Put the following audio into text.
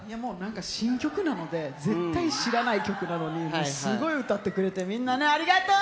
新曲なので絶対知らない曲なのに、すごい歌ってくれて、みんなありがとう！